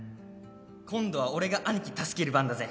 「今度は俺がアニキ助ける番だぜ！」